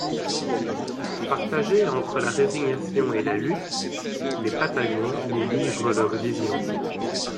Partagés entre la résignation et la lutte, les Patagons nous livrent leurs visions.